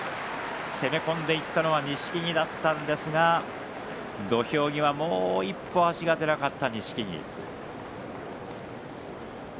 攻め込んでいったのは錦木だったんですが土俵際でもう一歩足が出なかった錦木。